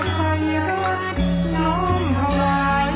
ทรงเป็นน้ำของเรา